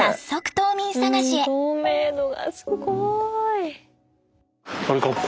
透明度がすごい！